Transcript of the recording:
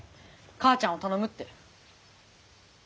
母ちゃんを頼むって。